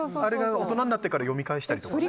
大人になってから読み返したりとかね。